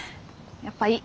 やっぱいい。